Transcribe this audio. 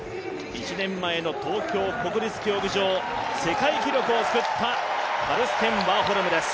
１年前の東京国立競技場世界記録を作ったカルステン・ワーホルムです。